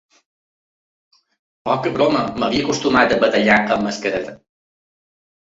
Poca broma, m'havia acostumat a badallar amb mascareta.